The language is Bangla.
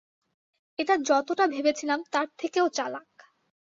এটা যতটা ভেবেছিলাম তার থেকেও চালাক।